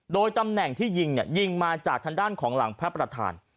โดยตำแหน่งที่ยิงเนี่ยยิงยิงมาจากทางด้านของหลังพระประธาน